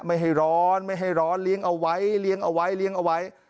ไม่ให้ร้อนเลี้ยงเอาไว้